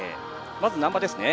まず、難波ですね。